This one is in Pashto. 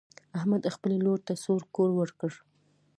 احمد خپلې لور ته سور کور ورکړ.